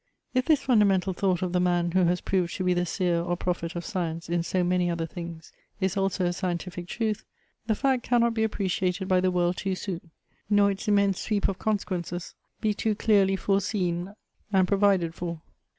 If this fundamental thought of the man who has proved to be the seer or prophet of Science in so many other things, is also a scientific truth, the fact cannot be appreciated by the world too soon, nor its immense sweep of consequences be too clearly fore seen and provided for.